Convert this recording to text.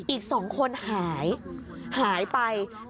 อีก๒คนหายไป